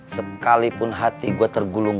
sekalipun hati gue tergulung